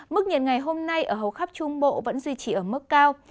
mức nhiệt ngày hôm nay ở hầu khắp trung bộ vẫn duy trì ở mức cao